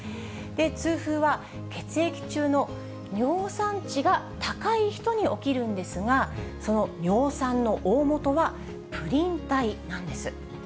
痛風は、血液中の尿酸値が高い人に起きるんですが、その尿酸の大本はプリン体なんです。